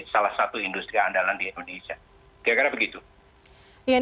salah satu industri andalan di indonesia